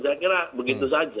saya kira begitu saja